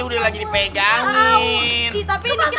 ujung ujungnya pasti nggak sesuai apa yang diharapkan